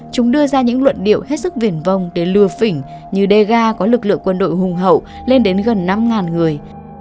chúng đưa ra những luận điệu hết sức viển vong để lừa phỉnh như dega có lực lượng quân đội hùng hậu lên đến gần năm người